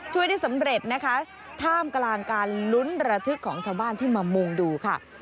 ช่วยได้สำเร็จนะคะท่ามกลางการลุ้นระทึกของชาวบ้านที่มามุงดูค่ะ